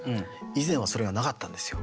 以前はそれがなかったんですよ。